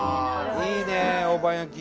いいね大判焼き。